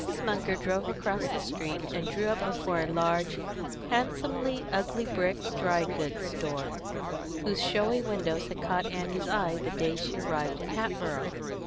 Munger drove across the street, and drew up before a large, handsomely ugly brick dry goods store, whose showy windows had caught Annie's eye the day she arrived in Hatboro'.